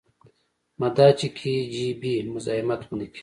مدا چې کي جي بي مزايمت ونکي.